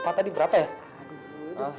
lupa tadi berapa ya